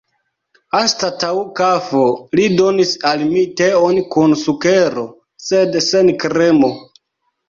Anstataŭ kafo li donis al mi teon kun sukero, sed sen kremo.